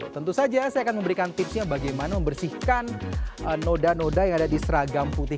tentu saja saya akan memberikan tipsnya bagaimana membersihkan noda noda yang ada di seragam putih